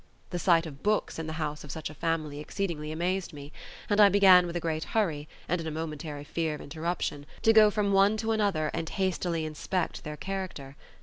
The sight of books in the house of such a family exceedingly amazed me; and I began with a great hurry, and in momentary fear of interruption, to go from one to another and hastily inspect their character.